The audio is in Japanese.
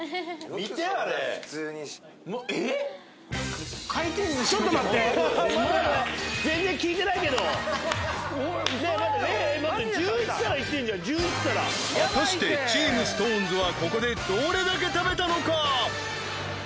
１１皿いってんじゃん果たしてチームＳｉｘＴＯＮＥＳはここでどれだけ食べたのか？